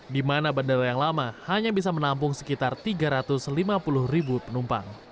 di mana bandara yang lama hanya bisa menampung sekitar tiga ratus lima puluh ribu penumpang